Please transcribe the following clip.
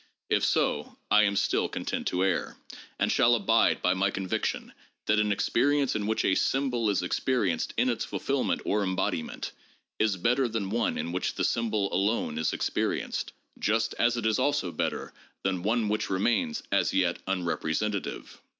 If so, I am still content to err ; and shall abide by my conviction that an experience in which a symbol is experienced in its fulfillment or embodiment, is better than one in which the symbol alone is experienced, just as it is also better than one which remains as yet unrepresentative.